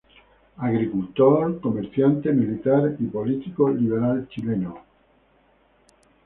Agricultor, comerciante, militar y político liberal chileno.